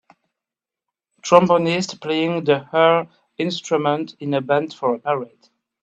Trombonist playing the her instrument in a band for a parade.